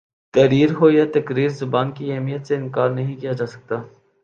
تحریر ہو یا تقریر زبان کی اہمیت سے انکار نہیں کیا جا سکتا